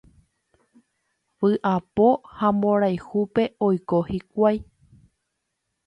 Vy'apo ha mborayhúpe oiko hikuái.